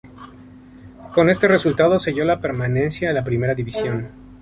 Con este resultado selló la permanencia en la Primera División.